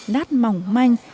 lát mỏng manh